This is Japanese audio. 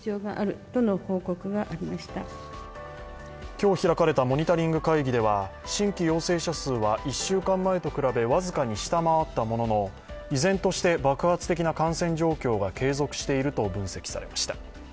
今日開かれたモニタリング会議では新規陽性者数は１週間前と比べ僅かに下回ったものの依然として、爆発的な感染状況が継続していると分析されました。